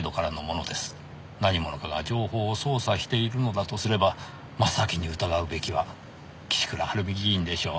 何者かが情報を操作しているのだとすれば真っ先に疑うべきは岸倉治美議員でしょう。